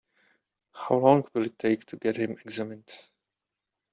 How long will it take to get him examined?